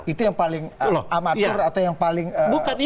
itu yang paling amatur atau yang paling